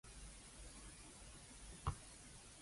藏而不現，常隱遁於六儀